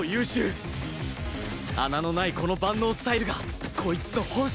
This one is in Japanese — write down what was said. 穴のないこの万能スタイルがこいつの本質